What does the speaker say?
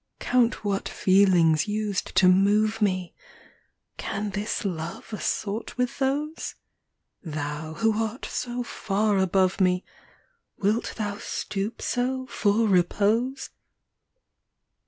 vn. Count what feelings used to move me ! Can this love assort with those ? Thou, who art so far above me, Wilt thou stoop so, for repose